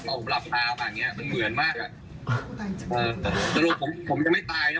อะไรอย่างเงี้ยมันเหมือนมากเออแต่โดยผมผมยังไม่ตายนะ